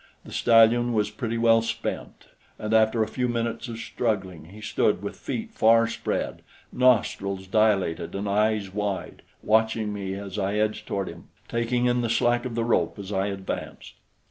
The stallion was pretty well spent, and after a few minutes of struggling he stood with feet far spread, nostrils dilated and eyes wide, watching me as I edged toward him, taking in the slack of the rope as I advanced.